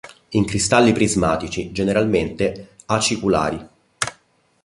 In cristalli prismatici, generalmente aciculari.